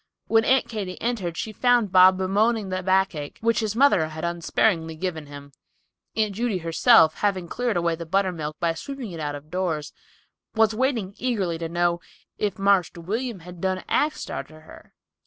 When Aunt Katy entered she found Bob bemoaning the backache, which his mother had unsparingly given him! Aunt Judy herself, having cleared away the buttermilk, by sweeping it out of doors, was waiting eagerly to know "if Marster William done axed arter her."